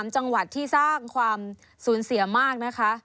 ๓จังหวัดที่สร้างความสูญเสียมากนะคะ